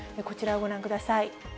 こちらをご覧ください。